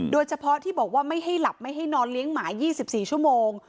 โดยเฉพาะที่บอกว่าไม่ให้หลับไม่ให้นอนเลี้ยงหมา๒๔ชั่วโมง